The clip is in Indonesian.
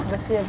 terus ya bu